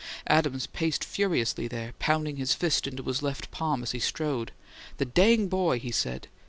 Adams paced furiously there, pounding his fist into his left palm as he strode. "The dang boy!" he said.